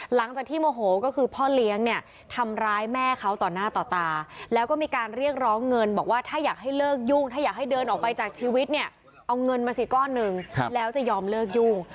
หลังจากที่โมโหก็คือพ่อเลี้ยงเนี่ยทำร้ายแม่เขาต่อหน้าต่อตาแล้วก็มีการเรียกร้องเงินบอกว่าถ้าอยากให้เลิกยุ่งถ้าอยากให้เดินออกไปจากชีวิตเนี่ยเอาเงินมาสิก้อนหนึ่งแล้วจะยอมเลิกยุ่ง